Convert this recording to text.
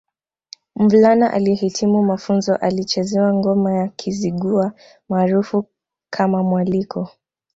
Mvulana aliyehitimu mafunzo alichezewa ngoma ya Kizigua maarufu kama Mwaliko